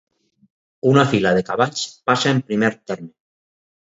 Una fila de cavalls passa en primer terme.